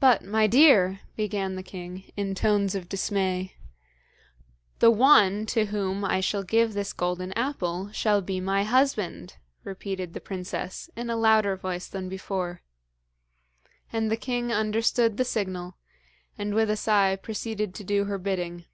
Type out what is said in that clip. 'But, my dear ' began the king, in tones of dismay. 'The one to whom I shall give this golden apple shall be my husband,' repeated the princess, in a louder voice than before. And the king understood the signal, and with a sigh proceeded to do her bidding.